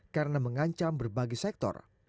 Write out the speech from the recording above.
karena mengancam berbagai hal